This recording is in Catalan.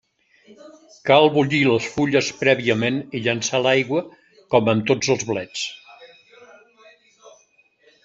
Cal bullir les fulles prèviament i llençar l'aigua, com amb tots els blets.